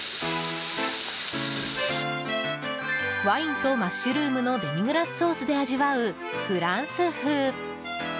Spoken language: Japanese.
ワインとマッシュルームのデミグラスソースで味わうフランス風。